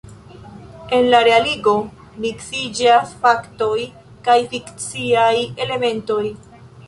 En la realigo miksiĝas faktoj kaj fikciaj elementoj.